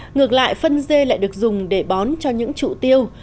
ngược lại phân dê lại được dùng để bón cho những trụ tiêu